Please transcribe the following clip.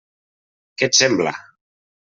Què et sembla?